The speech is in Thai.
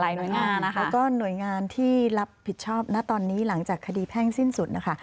แล้วก็หน่วยงานที่รับผิดชอบณณตอนนี้ล่างจากคดีแพร่งสิ้นสุดนะคะ